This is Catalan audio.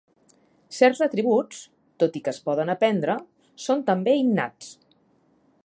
Certs atributs, tot i que es poden aprendre, són també innats.